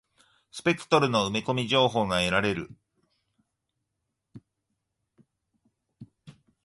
スペクトルの埋め込み情報が得られる。